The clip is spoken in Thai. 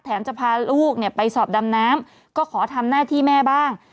จะพาลูกเนี่ยไปสอบดำน้ำก็ขอทำหน้าที่แม่บ้าง